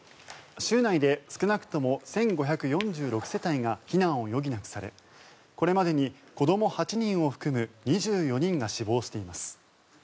州内で少なくとも１５４６世帯が避難を余儀なくされこれまでに子ども８人を含む２４人が死亡しています。